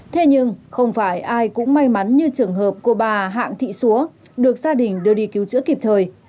thế nhưng không phải ai cũng may mắn như trường hợp cô bà hạng thị xúa được gia đình đưa đi cứu chữa kịp thời